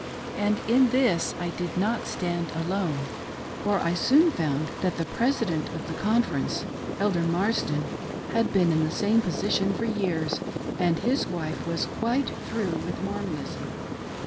And in this I did not stand alone, for I soon found that the President of the Conference — Elder Marsden — had been in the same position for years, and his wife was "quite through" with Mormonism.